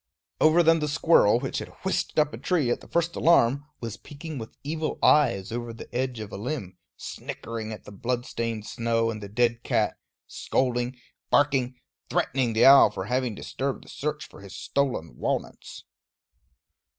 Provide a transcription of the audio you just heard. Over them the squirrel, which had whisked up a tree at the first alarm, was peeking with evil eyes over the edge of a limb, snickering at the blood stained snow and the dead cat, scolding, barking, threatening the owl for having disturbed the search for his stolen walnuts.